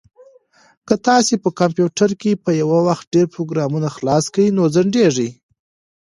که تاسي په کمپیوټر کې په یو وخت ډېر پروګرامونه خلاص کړئ نو ځنډیږي.